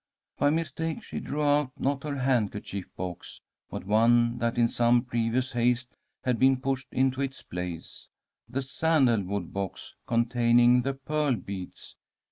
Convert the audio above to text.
By mistake she drew out, not her handkerchief box, but one that in some previous haste had been pushed into its place, the sandalwood box containing the pearl beads.